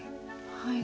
はい。